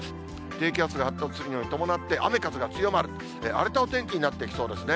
低気圧が発達するのに伴って雨風が強まる、荒れたお天気になってきそうですね。